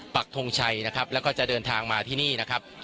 ปักทงชัยนะครับแล้วก็จะเดินทางมาที่นี่นะครับ